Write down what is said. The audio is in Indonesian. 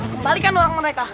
kembalikan orang mereka